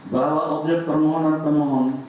bahwa objek permohonan pemohon